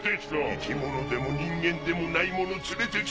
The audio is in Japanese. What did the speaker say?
生き物でも人間でもないもの連れてきた。